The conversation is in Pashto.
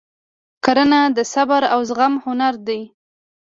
کرنه د صبر او زغم هنر دی.